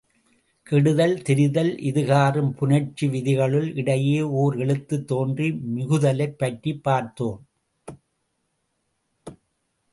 கெடுதல் திரிதல் இதுகாறும் புணர்ச்சி விதிகளுள், இடையே ஓர் எழுத்து தோன்றி மிகுதலைப் பற்றிப் பார்த்தோம்.